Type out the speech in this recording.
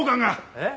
えっ？